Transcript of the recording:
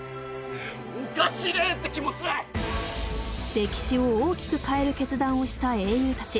歴史を大きく変える決断をした英雄たち。